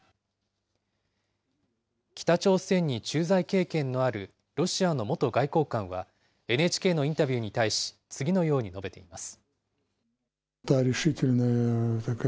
北朝鮮に駐在経験のあるロシアの元外交官は、ＮＨＫのインタビューに対し、次のように述べています。